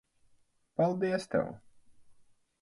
Paldies tev.